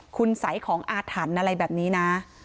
คุณสัยของอาถรรพ์อะไรแบบนี้นะ